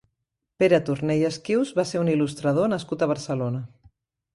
Pere Torné i Esquius va ser un il·lustrador nascut a Barcelona.